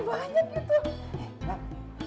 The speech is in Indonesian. banyak banget gitu